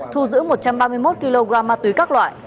thu giữ một trăm ba mươi một kg ma túy các loại